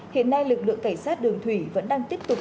hiện nay lực lượng cảnh sát đường thủy vẫn đang tiếp tục